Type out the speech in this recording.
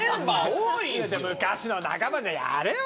昔の仲間でやれよ